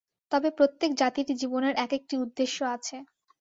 তবে প্রত্যেক জাতিরই জীবনের এক-একটি উদ্দেশ্য আছে।